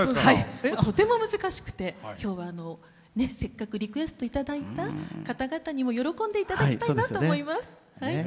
とても難しくて今日はせっかくリクエスト頂いた方々にも喜んで頂きたいなと思います。